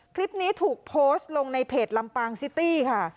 คลิปนี้ถูกโพสต์ลงในเพจลำปางซิตี้ค่ะ